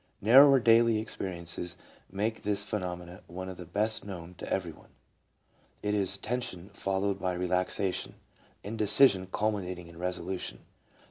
Narrower daily experiences make this phenomenon one of the best known to every one : it is tension followed by re laxation ; indecision culminating in resolution.